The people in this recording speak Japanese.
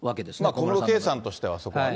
小室圭さんとしては、そこはね。